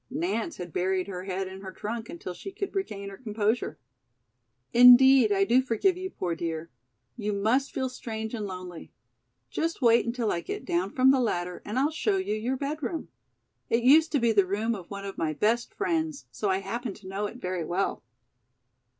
Nance had buried her head in her trunk until she could regain her composure. "Indeed I do forgive you, poor dear. You must feel strange and lonely. Just wait until I get down from the ladder and I'll show you your bedroom. It used to be the room of one of my best friends, so I happen to know it very well."